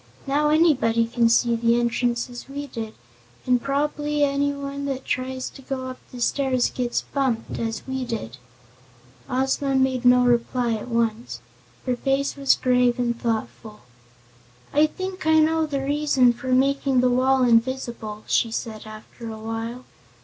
Now anybody can see the entrance, as we did. And prob'bly anybody that tries to go up the stairs gets bumped, as we did." Ozma made no reply at once. Her face was grave and thoughtful. "I think I know the reason for making the wall invisible," she said after a while.